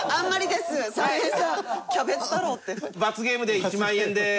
罰ゲームで１万円でーす。